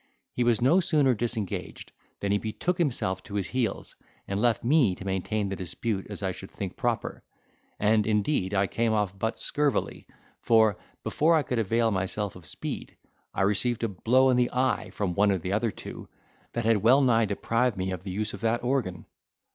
He was no sooner disengaged, than he betook himself to his heels, and left me to maintain the dispute as I should think proper; and, indeed, I came off but scurvily, for, before I could avail myself of my speed, I received a blow on the eye, from one of the other two, that had well nigh deprived me of the use of that organ.